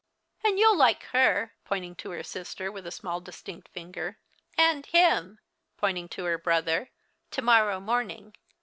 "And you'll like her," pointing to her sister with a small distinct finger; "and him," pointing to her brother, "to morrow morning.